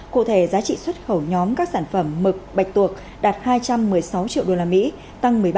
cụ thể giá trị xuất khẩu nhóm các sản phẩm mực bạch tuộc đạt hai trăm một mươi sáu triệu đô la mỹ tăng một mươi ba